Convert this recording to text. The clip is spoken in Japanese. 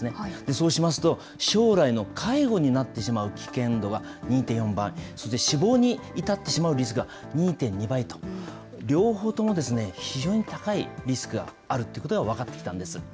そうしますと、将来の介護になってしまう危険度は２．４倍、それで死亡に至ってしまうリスクが２．２倍と、両方とも非常に高いリスクがあるということが分かってきたんです。